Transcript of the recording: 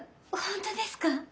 本当ですか？